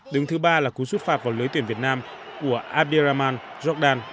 đứng thứ ba là cú xuất phạt vào lưới tuyển việt nam của abdirahman jordan